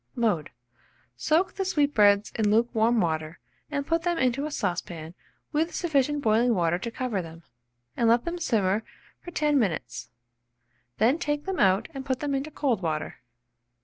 Mode. Soak the sweetbreads in lukewarm water, and put them into a saucepan with sufficient boiling water to cover them, and let them simmer for 10 minutes; then take them out and put them into cold water.